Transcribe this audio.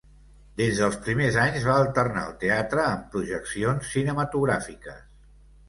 Des dels primers anys, va alternar el teatre amb projeccions cinematogràfiques.